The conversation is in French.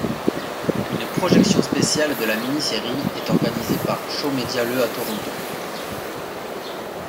Une projection spéciale de la mini-série est organisée par Shaw Media le à Toronto.